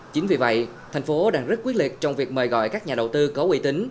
chính vì vậy thành phố đang rất quyết liệt trong việc mời gọi các nhà đầu tư có uy tín